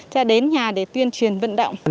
ra đến nhà để tuyên truyền vận động